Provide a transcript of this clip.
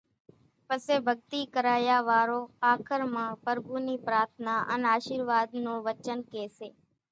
پسي ڀڳتي ڪرايا وارو آخر مان پرڀُو نِي پرارٿنا ان آشرواۮ نون وچن ڪي سي